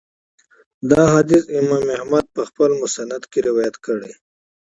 دا حديث امام احمد په خپل مسند کي روايت کړی